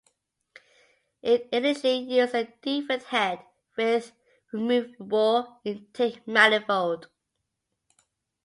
It initially used a different head with removable intake manifold.